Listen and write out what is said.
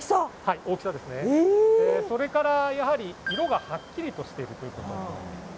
それから、やはり色がはっきりしているということ。